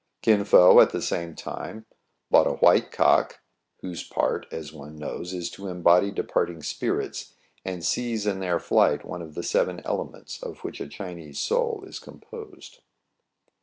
Kin Fo at the same time bought a white cock, WAYS AND CUSTOMS OF THE CHINESE, 73 whose part, as one knows, is to embody departing spirits, and seize in their flight one of the seven elements of which a Chinese soul is composed.